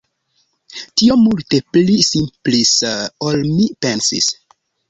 Tio multe pli simplis ol mi pensis.